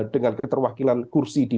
dengan keterwakilan kursi di